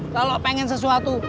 kalau pengen sesuatu